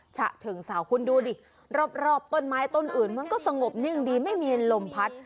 ฉะเชิงเศร้าคุณดูดิรอบต้นไม้ต้นอื่นมันก็สงบนิ่งดีไม่มีลมพัด